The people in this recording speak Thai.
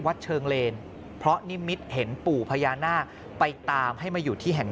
เชิงเลนเพราะนิมิตเห็นปู่พญานาคไปตามให้มาอยู่ที่แห่ง